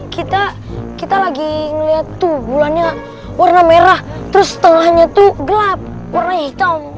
kita lagi ngeliat tuh bulannya warna merah terus tengahnya tuh gelap warnanya hitam